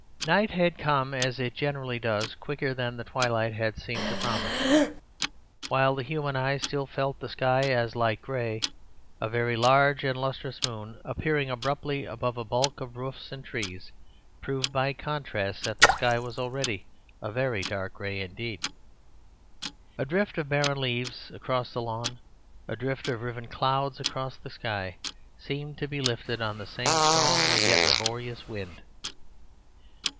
Night had come as it generally does, quicker than the twilight had seemed to promise. While the human eye still felt the sky as light gray, a very large and lustrous moon appearing abruptly above a bulk of roofs and trees, proved by contrast that the sky was already a very dark gray indeed. A drift of barren leaves across the lawn, a drift of riven clouds across the sky, seemed to be lifted on the same strong and yet laborious wind.